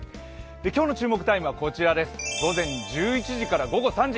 今日の注目タイムは午前１１時から午後３時。